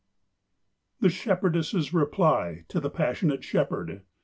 THE SHEPHERDESS'S REPLY TO THE PASSIONATE SHEPHERD.